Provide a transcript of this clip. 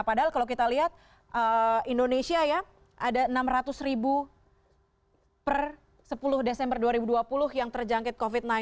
padahal kalau kita lihat indonesia ya ada enam ratus ribu per sepuluh desember dua ribu dua puluh yang terjangkit covid sembilan belas